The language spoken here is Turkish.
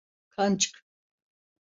Kancık!